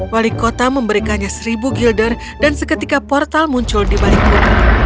wali kota memberikannya seribu gilder dan seketika portal muncul di baliknya